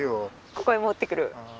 ここへ持ってくる。